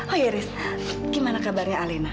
oh ya ris gimana kabarnya alena